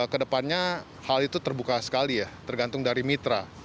kedepannya hal itu terbuka sekali ya tergantung dari mitra